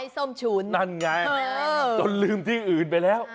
ส้มฉุนนั่นไงจนลืมที่อื่นไปแล้ว